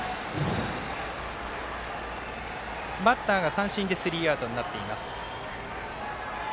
バッターが三振でスリーアウトになっています。